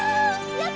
やった！